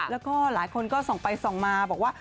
แล้วก็หลายคนก็ส่องไปส่องมาบอกว่า